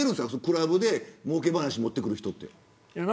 クラブでもうけ話持ってくる人。